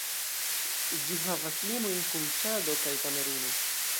Ĝi havas limojn kun Ĉado kaj Kameruno.